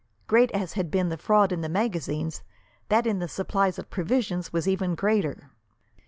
Great as had been the fraud in the magazines, that in the supplies of provisions was even greater.